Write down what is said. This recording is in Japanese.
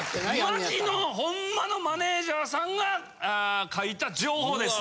マジのほんまのマネジャーさんが書いた情報です。